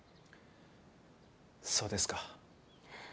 そうですか。